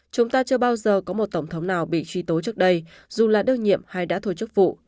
chúng ta chưa bao giờ có một tổng thống nào bị truy tố trước đây dù là đương nhiệm hay đã thôi chức vụ